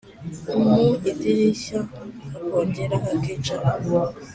mu idirishya akongera akicara